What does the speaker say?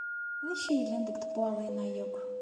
D acu yellan deg tebwaḍin-a akk?